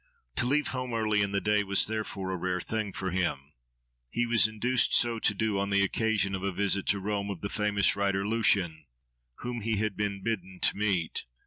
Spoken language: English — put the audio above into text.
To leave home early in the day was therefore a rare thing for him. He was induced so to do on the occasion of a visit to Rome of the famous writer Lucian, whom he had been bidden to meet.